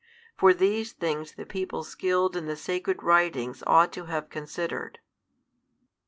For these things the people skilled in the sacred writings ought to have considered.